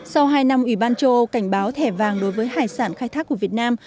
sau hai năm ủy ban châu âu cảnh báo thẻ vàng đối với hải sản khai thác của việt nam